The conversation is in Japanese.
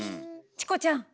チコちゃん！